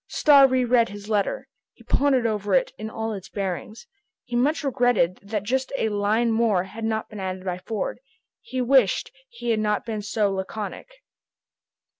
Starr re read his letter. He pondered over it in all its bearings. He much regretted that just a line more had not been added by Ford. He wished he had not been quite so laconic.